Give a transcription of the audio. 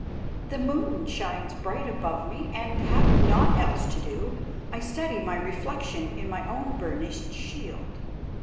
The moon shines bright above me, and, having naught else to do, I study my reflection in my own burnished shield.